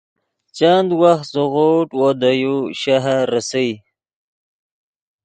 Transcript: چند وخت زیغوڤڈ وو دے یو شہر ریسئے